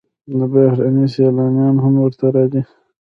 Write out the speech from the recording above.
بهرني سیلانیان هم ورته راځي.